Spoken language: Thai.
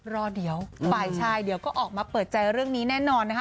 รอเดี๋ยวฝ่ายชายเดี๋ยวก็ออกมาเปิดใจเรื่องนี้แน่นอนนะคะ